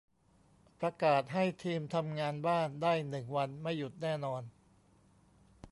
ประกาศให้ทีมทำงานบ้านได้หนึ่งวัน ไม่หยุดแน่นอน